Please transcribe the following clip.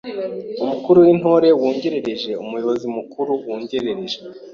Umukuru w’Intore wungirije: Umuyobozi Mukuru wungirije